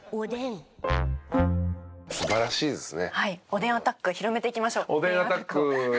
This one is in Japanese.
おでんアタック広めていきましょう。